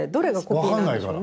分かんないから。